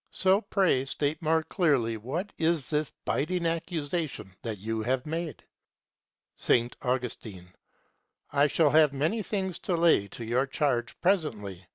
So pray state more clearly what is this biting accusation that you have made. S. Augustine. I shall have many things to lay to your charge presently.